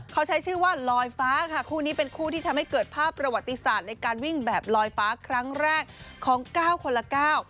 เขาใช้ชื่อว่าลอยฟ้าค่ะคู่นี้เป็นคู่ที่ทำให้เกิดภาพประวัติศาสตร์ในการวิ่งแบบลอยฟ้าครั้งแรกของเก้าคนละเก้า